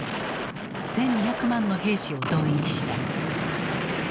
１，２００万の兵士を動員した。